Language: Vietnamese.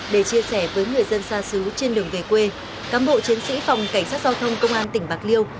để chia sẻ với người dân xa xứ trên đường về quê cám bộ chiến sĩ phòng cảnh sát giao thông công an tỉnh bạc liêu